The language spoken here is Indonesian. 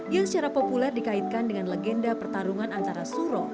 yang secara populer dikaitkan dengan legenda pertarungan antara suro